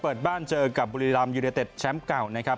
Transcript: เปิดบ้านเจอกับบุรีลำยูเรเต็ดแชมป์เก่า